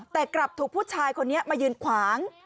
แต่กลับถูกผู้ชายคนนี้มายืนขวาง